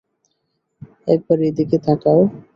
একবার এইদিকে তাকাও।